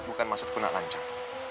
bukan maksudku nak lancar